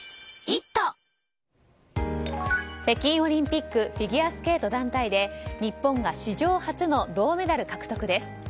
北京オリンピックフィギュアスケート団体で日本が史上初の銅メダル獲得です。